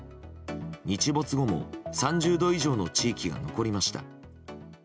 日没後も３０度以上の地域が残りました。